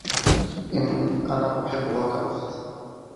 أنا أحبّها كأخت.